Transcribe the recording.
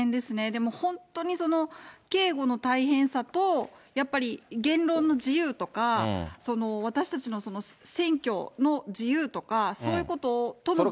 でも本当に、警護の大変さとやっぱり言論の自由とか、私たちの選挙の自由とか、そういうこととのバランス。